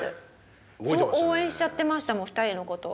応援しちゃってましたもん２人の事を。